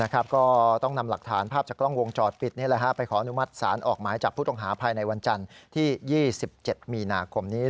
ก็ต้องนำหลักฐานภาพจากกล้องวงจรปิดไปขออนุมัติศาลออกหมายจับผู้ต้องหาภายในวันจันทร์ที่๒๗มีนาคมนี้